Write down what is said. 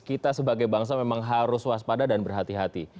kita sebagai bangsa memang harus waspada dan berhati hati